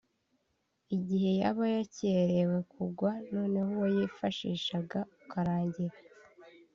igihe yaba yakerewe kugwa noneho uwo yifashishaga ukarangira